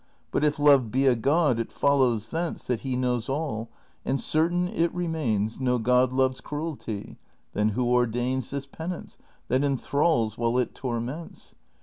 But if Love be a God, it follows thence That he knows all, and certain it remains CHAPTER XXIII. 178 No God loves cruelty ; then who ordains '■^This penance that inthrals while it torments